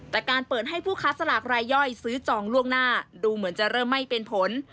แต่การเปิดให้ผู้ค้าสลากรายย่อยซื้อจองล่วงหน้าดูเหมือนจะเริ่มไม่เป็นผล